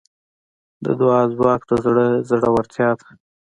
د دعا ځواک د زړه زړورتیا ده.